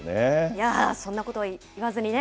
いやー、そんなこと言わずにね。